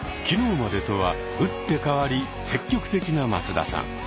昨日までとは打って変わり積極的な松田さん。